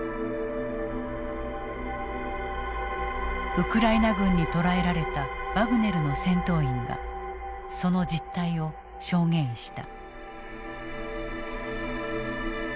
ウクライナ軍に捕らえられたワグネルの戦闘員はその実態を証言した。